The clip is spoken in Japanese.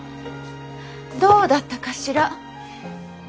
どうだったかしら。